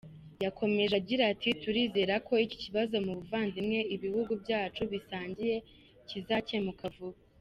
Yakomeje agira ati “Turizera ko iki kibazo mu buvandimwe ibihugu byacu bisangiye kizakemuka vuba.